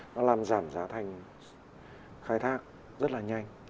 nó làm giảm giá thành khai thác rất là nhanh